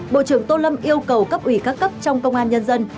bộ trưởng tô lâm yêu cầu cấp ủy các cấp trong công an nhân dân